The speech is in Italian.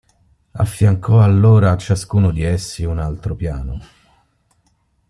Affiancò allora a ciascuno di essi un altro piano.